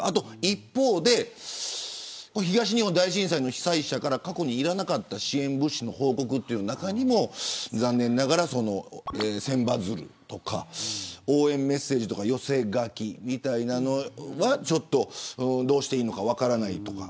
一方で東日本大震災の被災者から過去にいらなかった支援物資の報告の中にも残念ながら千羽鶴とか応援メッセージとか寄せ書きみたいなのはどうしていいか分からないとか。